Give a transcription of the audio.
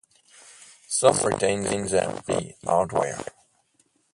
Some retain their early hardware.